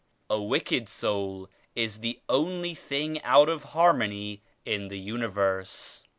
A wicked soul is the only thing out of harmony in the universe.